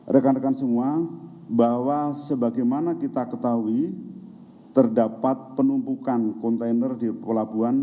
rekan rekan semua bahwa sebagaimana kita ketahui terdapat penumpukan kontainer di pelabuhan